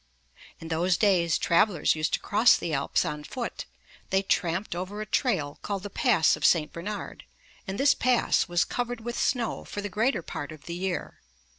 In those days travelers used to cross the Alps on foot. They tramped over a trail called the Pass of St. Bernard, and this Pass was covered with snow for the greater part of the year.